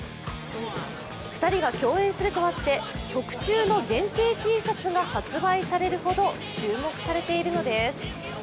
２人が共演するとあって、特注の限定Ｔシャツが発売されるほど注目されているんです。